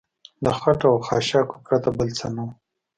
له خټو او خاشاکو پرته بل څه نه و.